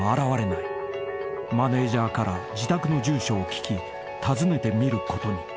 ［マネジャーから自宅の住所を聞き訪ねてみることに］